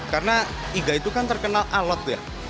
karena iga itu kan terkenal alot ya